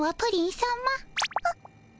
あっ。